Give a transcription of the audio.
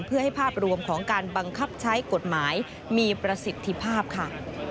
เพื่อให้ภาพรวมของการบังคับใช้กฎหมายมีประสิทธิภาพค่ะ